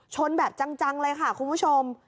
แบบจังเลยค่ะคุณผู้ชม